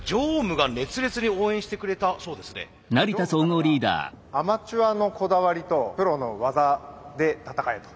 常務からは「アマチュアのこだわりとプロの技で戦え」と。